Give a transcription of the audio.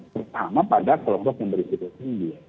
pertama pada kelompok yang berisiko tinggi